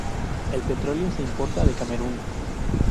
El petróleo se importa de Camerún.